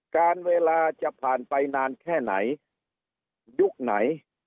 การเวลาจะผ่านไปนานแค่ไหนยุคไหน